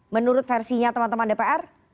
menurut versinya teman teman dpr